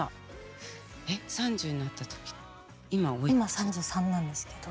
今３３歳なんですけど。